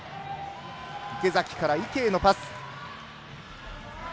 池崎から池へのパス。